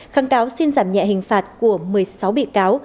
kháng cáo xin giảm nhẹ hình phạt của một mươi sáu bị cáo